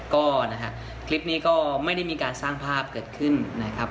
ก็นะฮะคลิปนี้ก็ไม่ได้มีการสร้างภาพเกิดขึ้นนะครับ